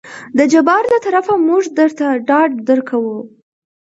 د جبار له طرفه موږ درته ډاډ درکو.